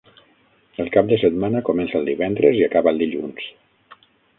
El cap de setmana comença el divendres i acaba el dilluns.